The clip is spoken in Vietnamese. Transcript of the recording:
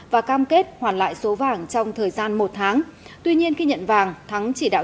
và cam kết hoàn lại số vàng trong thời gian một tháng tuy nhiên khi nhận vàng thắng chỉ đạo